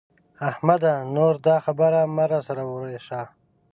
احمده! نور دا خبره مه را سره ورېشه.